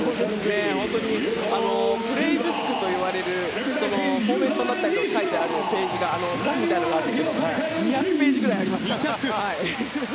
本当にプレーブックと言われるフォーメーションだったりが書いてあるページが２００ページぐらいありますから。